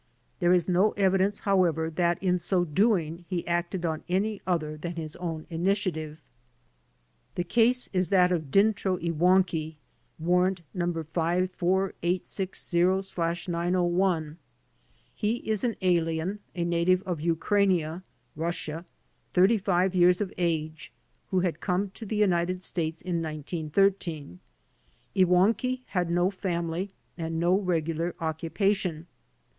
There is no evidence, how ever, that in so doing he acted on any other than his own initiative. The case is that of Dyntro Iwankiw (Warrant No. 54860/901). He is an alien, a native of Ukrainia (Rus sia), thirty five years of age, who had come to the United States in 1913. Iwankiw had no family and no regular occupation.